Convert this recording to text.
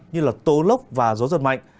như là tô lốc và gió giật mạnh